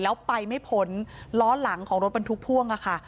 แล้วไปไม่พ้นล้อหลังของรถบรรทุกพ่วงค่ะ